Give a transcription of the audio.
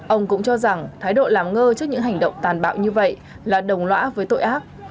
ông cũng cho rằng thái độ làm ngơ trước những hành động tàn bạo như vậy là đồng lõa với tội ác